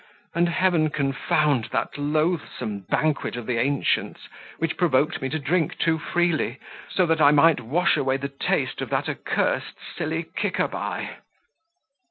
And Heaven confound that loathsome banquet of the ancients, which provoked me to drink too freely, that I might wash away the taste of that accursed sillikicaby."